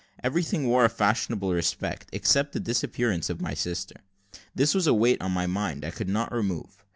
Everything wore a favourable aspect, excepting the disappearance of my sister. This was a weight on my mind I could not remove.